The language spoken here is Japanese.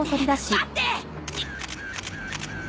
待って！